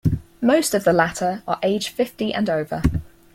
Most of the latter are age fifty and over.